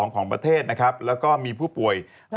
ของประเทศนะครับแล้วก็มีผู้ป่วย